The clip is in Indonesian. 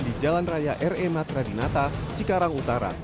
di jalan raya r e matradinata cikarang utara